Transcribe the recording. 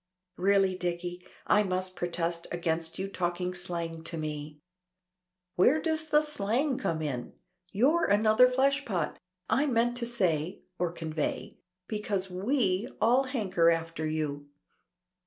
"Really, Dicky, I must protest against your talking slang to me." "Where does the slang come in? You're another fleshpot. I meant to say or convey because we all hanker after you."